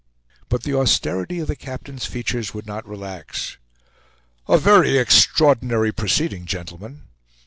But the austerity of the captain's features would not relax. "A very extraordinary proceeding, gentlemen!"